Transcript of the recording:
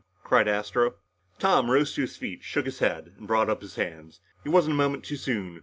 cried Astro. Tom rose to his feet shook his head and brought up his hands. He wasn't a moment too soon.